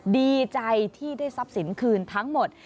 ดีใจที่ได้ทรัพย์สินคืนทั้งหมด